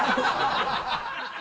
ハハハ